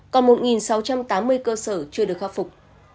còn một sáu trăm tám mươi cơ sở chưa được khắc phục